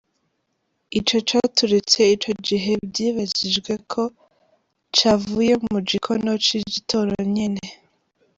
Ico caturitse ico gihe, vyibajijwe ko cavuye mu gikono c’igitoro nyene.